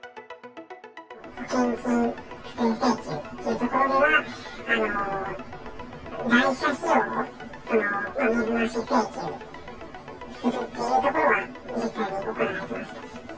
保険金不正請求というところでは、代車費用を水増し請求するっていうところは実際に行われてました。